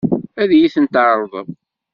Ad iyi-ten-tɛeṛḍem?